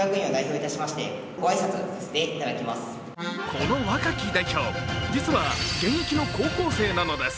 この若き代表、実は現役の高校生なんです。